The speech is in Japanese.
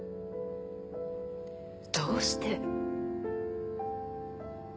どうして？